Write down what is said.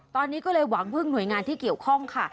ตอนนี้ก็เลยหวังพึ่งหน่วยงานที่เกี่ยวข้องค่ะ